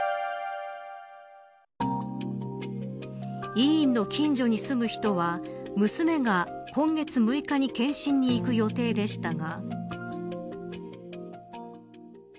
医院の近所に住む人は娘が今月６日に検診に行く予定でしたが。